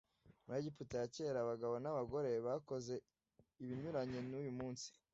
Muri Egiputa ya kera abagabo n'abagore bakoze ibinyuranye n'uyu munsi